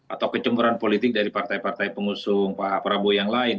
atau kecemburan politik dari partai partai pengusung pak prabowo yang lain